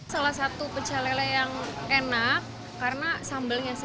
salah satu pecah lele yang enak karena sambelnya sih